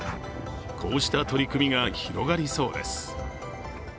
こうした取り組みが広がりそうです。